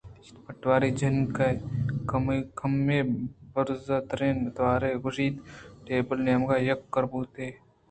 پٹواری ؟ جنک ءَ کمے بزرتریں توارےءَ گوٛشتءُٹیبلءِ نیمگ ءَ یک کِرّبوت